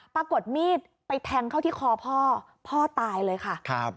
ปรากฏมีดไปแทงเข้าที่คอพ่อพ่อตายเลยค่ะ